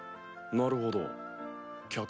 なるほど客？